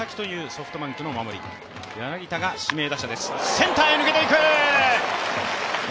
センターへ抜けていく。